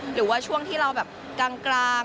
หรือว่าช่วงที่เราแบบกลาง